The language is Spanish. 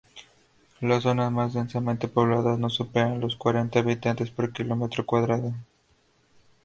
Las zonas más densamente pobladas no superan los cuarenta habitantes por kilómetro cuadrado.